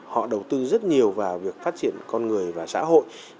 họ đầu tư rất nhiều vào việc phát triển con người và xã hội